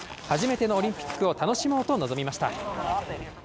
初めてのオリンピックを楽しもうと臨みました。